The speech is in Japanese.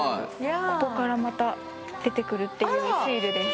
ここからまた出てくるっていうシールです。